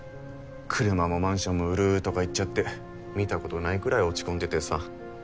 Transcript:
車もマンションも売るとか言っちゃって見たことないくらい落ち込んでてさ。